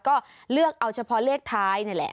ก็เลือกเอาเฉพาะเลขท้ายนี่แหละ